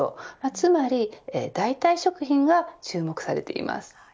つまり代替食品が注目されています。